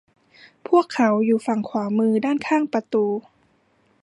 พวกเขาอยู่ฝั่งขวามือด้านข้างประดู